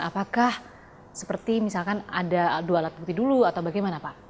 apakah seperti misalkan ada dua alat bukti dulu atau bagaimana pak